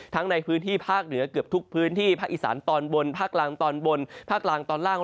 ในพื้นที่ภาคเหนือเกือบทุกพื้นที่ภาคอีสานตอนบนภาคกลางตอนบนภาคกลางตอนล่าง